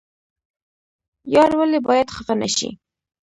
یار ولې باید خفه نشي؟